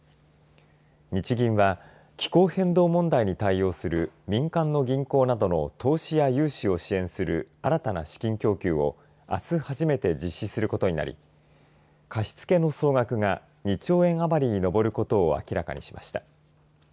日銀は、気候変動問題に対応する民間の銀行などの投資や融資を支援する新たな資金供給をあす初めて実施することになり貸し付けの総額が２兆円余りに上ることを明らかにしました。